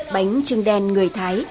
bánh trưng đen người thái